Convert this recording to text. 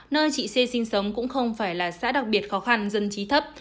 nơi chị xê sinh sống cũng không phải là xã đặc biệt khó khăn dân trí thấp